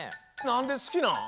なんですきなん？